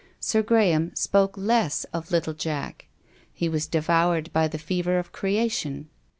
Sir Graham spoke less of little Jack. He was devoured by the fever of creation.